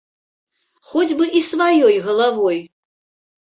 Хоць бы і сваёй галавой!